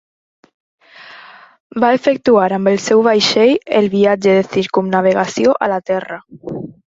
Va efectuar, amb el seu vaixell, el viatge de circumnavegació a la terra.